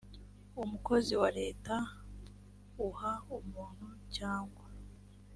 umukozi wa leta uha umuntu cyangwa